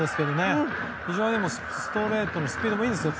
非常にストレートのスピードもいいですよ。